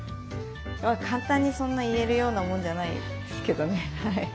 簡単にそんな言えるようなもんじゃないですけどね。